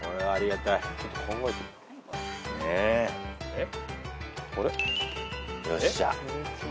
えっ？